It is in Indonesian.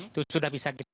itu sudah bisa kita